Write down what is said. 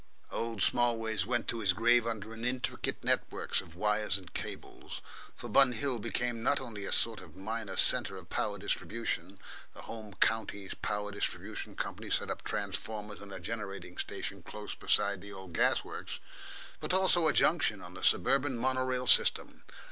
Old Smallways went to his grave under an intricate network of wires and cables, for Bun Hill became not only a sort of minor centre of power distribution the Home Counties Power Distribution Company set up transformers and a generating station close beside the old gas works but, also a junction on the suburban mono rail system.